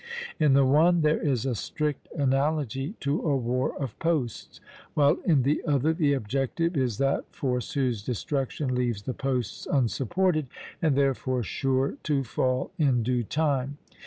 In the one there is a strict analogy to a war of posts; while in the other the objective is that force whose destruction leaves the posts unsupported and therefore sure to fall in due time.